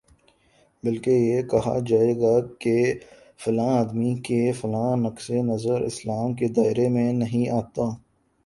بلکہ یہ کہا جائے گا کہ فلاں آدمی کا فلاں نقطۂ نظر اسلام کے دائرے میں نہیں آتا